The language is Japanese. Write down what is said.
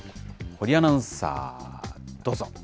堀アナウンサー、どうぞ。